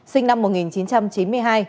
sinh năm một nghìn chín trăm chín mươi hai